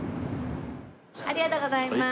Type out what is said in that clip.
ありがとうございます。